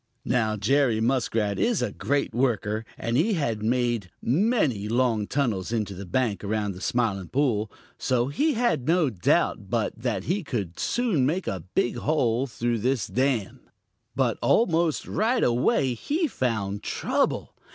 Now Jerry Muskrat is a great worker, and he had made many long tunnels into the bank around the Smiling Pool, so he had no doubt but that he could soon make a hole through this dam. But almost right away he found trouble.